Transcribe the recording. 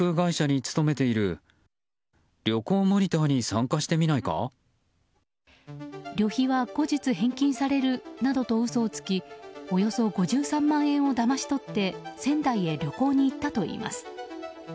旅費は後日返金されるなどと嘘をつきおよそ５３万円をだまし取って仙台へ旅行に行ったといいます。